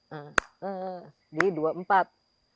jadi dua empat